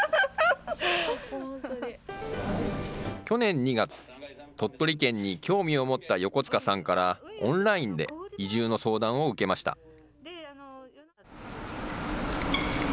去年２月、鳥取県に興味を持った横塚さんから、オンラインで移住の相談を受けました。